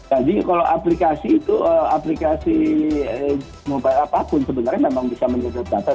nah jadi kalau aplikasi itu aplikasi mobile apapun sebenarnya memang bisa menyedot data